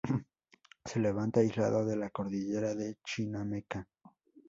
Se levanta aislado de la cordillera de Chinameca.